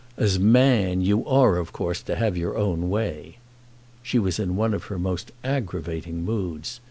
As 'man' you are of course to have your own way." She was in one of her most aggravating moods.